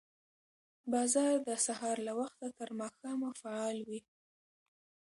بازار د سهار له وخته تر ماښامه فعال وي